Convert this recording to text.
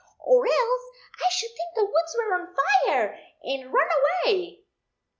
Or else I should think the woods were on fire and run away."